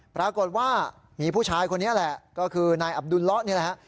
ปรากฏว่ามีผู้ชายคนนี้แหละก็คือนายอับดุลเลาะนี่แหละฮะ